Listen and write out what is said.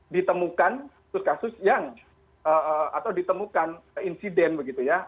ditemukan kasus kasus yang atau ditemukan insiden begitu ya